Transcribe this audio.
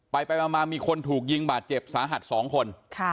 ไปมามีคนถูกยิงบาดเจ็บสาหัส๒คน